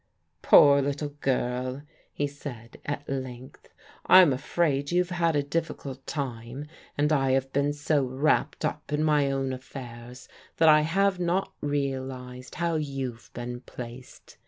"Poor little girl," he said at length. "I'm afraid you've had a difficult time, and I have been so wrapped up in my own affairs that I have not realized how you've been placed.